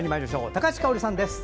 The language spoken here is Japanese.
高橋香央里さんです。